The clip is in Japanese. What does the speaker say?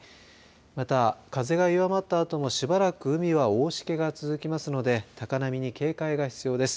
また、風が弱まったあともしばらく海は大しけが続きますので高波に警戒が必要です。